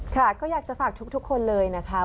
ค่ะก็อยากจะฝากทุกคนเลยนะคะ